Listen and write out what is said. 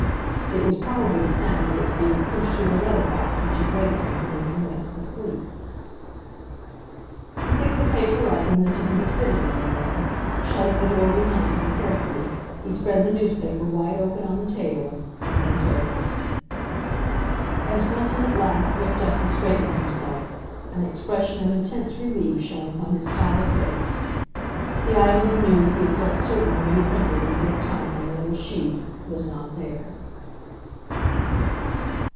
It was probably the sound of its being pushed through the letter box which had waked him from his unrestful sleep. He picked the paper up and went into the sitting room then, shutting the door behind him carefully, he spread the newspaper wide open on the table, and bent over it. As Bunting at last looked up and straightened himself, an expression of intense relief shone upon his stolid face. The item of news he had felt certain would be printed in big type on the middle sheet was not there.